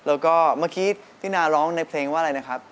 แล้วก็เมื่อกี้พี่นาร้องในเพลงว่าอะไรนะครับ